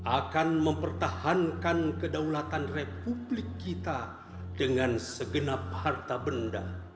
akan mempertahankan kedaulatan republik kita dengan segenap harta benda